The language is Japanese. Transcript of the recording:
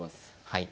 はい。